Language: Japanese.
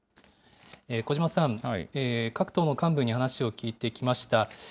小嶋さん、各党の幹部に話を聞いてきました。